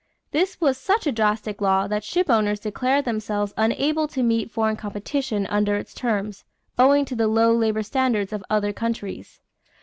This was such a drastic law that shipowners declared themselves unable to meet foreign competition under its terms, owing to the low labor standards of other countries.